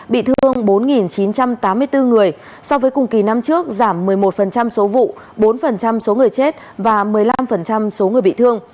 bị thương bốn chín trăm tám mươi bốn người so với cùng kỳ năm trước giảm một mươi một số vụ bốn số người chết và một mươi năm số người bị thương